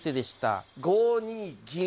５二銀。